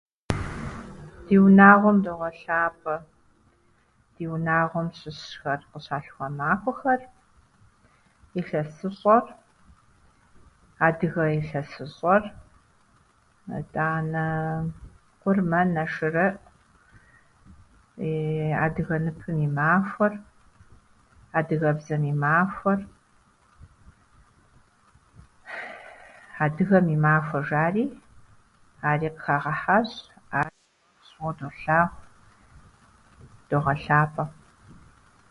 Ди унагъуэм догъэлъапӏэ ди унагъуэм щыщхэр къыщалъхуа махуэхэр, илъэсыщӏэр, адыгэ илъэсыщӏэр, итӏанээ къурмэн, ӏэшырыӏ, адыгэ ныпым и махуэр, адыгэбзэм и махуэр, адыгэм и махуэр жари ари къыхагъэхьащ. Ар [unintelligible] долъагъу, догъэлъапӏэ.